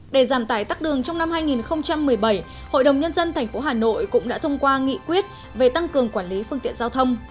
để giảm tài tắc đường trong năm hai nghìn một mươi bảy hội đồng nhân dân thành phố hà nội cũng đã thông qua nghị quyết về tăng cường quản lý phương tiện giao thông